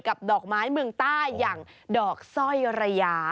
ดอกไม้เมืองใต้อย่างดอกสร้อยระยา